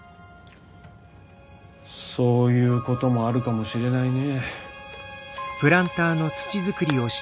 そういうこともあるかもしれないね。